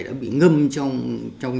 đã bị ngâm trong